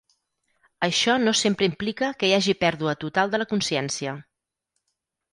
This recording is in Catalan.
Això no sempre implica que hi hagi pèrdua total de la consciència.